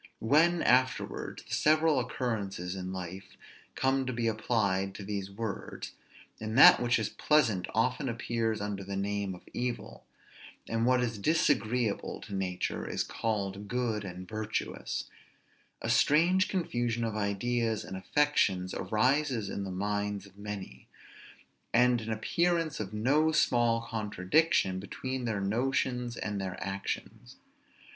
When, afterwards, the several occurrences in life come to be applied to these words, and that which is pleasant often appears under the name of evil; and what is disagreeable to nature is called good and virtuous; a strange confusion of ideas and affections arises in the minds of many; and an appearance of no small contradiction between their notions and their actions.